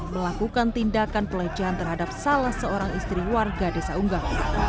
melakukan tindakan pelecehan terhadap salah seorang istri warga desa unggah